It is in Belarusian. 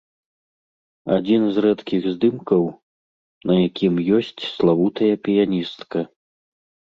Адзін з рэдкіх здымкаў, на якім ёсць славутая піяністка.